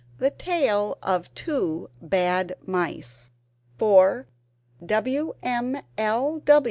THE TALE OF TWO BAD MICE [For W.M.L.